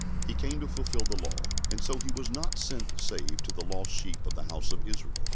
He came to fulfil the law, and so He was not sent save to the lost sheep of the house of Israel.